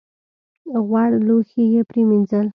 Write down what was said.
غوړ لوښي یې پرېمینځل .